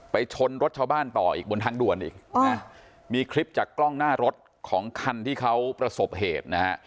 ชนรถชาวบ้านต่ออีกบนทางด่วนอีกนะมีคลิปจากกล้องหน้ารถของคันที่เขาประสบเหตุนะฮะ